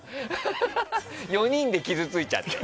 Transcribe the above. ４人で傷ついちゃって。